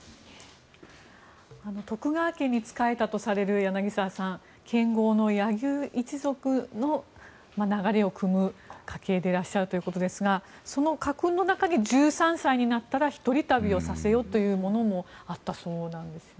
徳川家に仕えたとされる剣豪の柳生一族の流れをくむ家計でいらっしゃるということですがその家訓の中に１３歳になったら一人旅をさせよというものもあったそうです。